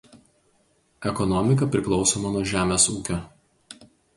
Ekonomika priklausoma nuo žemės ūkio.